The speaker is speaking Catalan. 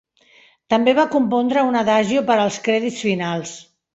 També va compondre un adagio per als crèdits finals.